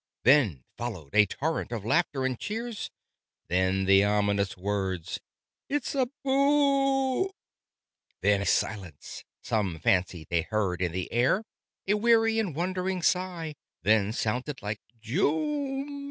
Then followed a torrent of laughter and cheers: Then the ominous words "It's a Boo " Then, silence. Some fancied they heard in the air A weary and wandering sigh Then sounded like " jum!"